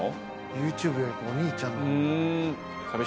ＹｏｕＴｕｂｅよりもお兄ちゃんのほうが。